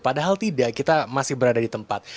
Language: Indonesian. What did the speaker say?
padahal tidak kita masih berada di tempat